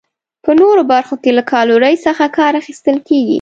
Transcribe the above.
په نورو برخو کې له کالورۍ څخه کار اخیستل کیږي.